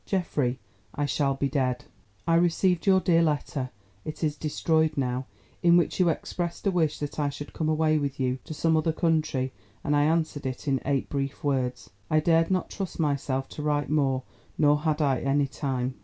"Geoffrey, I shall be dead. "I received your dear letter (it is destroyed now) in which you expressed a wish that I should come away with you to some other country, and I answered it in eight brief words. I dared not trust myself to write more, nor had I any time.